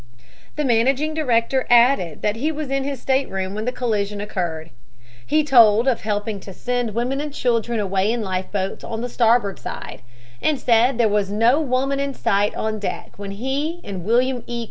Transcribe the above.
The managing director added that he was in his stateroom when the collision occurred. He told of helping to send women and children away in life boats on the starboard side, and said there was no woman in sight on deck when he and William E.